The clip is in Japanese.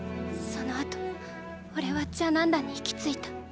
その後おれはジャナンダに行き着いた。